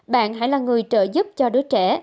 bạn hãy là người trợ giúp cho đứa trẻ